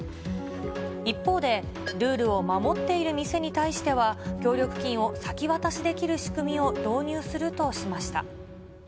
一方で、ルールを守っている店に対しては、協力金を先渡しできる仕組みを導入するとしました。